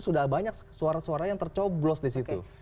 sudah banyak suara suara yang tercoblos di situ